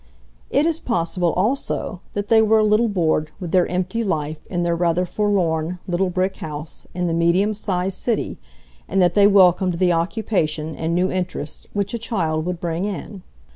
It is possible also that they were a little bored with their empty life in their rather forlorn, little brick house in the medium sized city, and that they welcomed the occupation and new interests which a child would bring in.